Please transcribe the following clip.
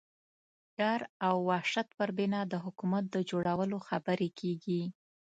ډار او وحشت پر بنا د حکومت د جوړولو خبرې کېږي.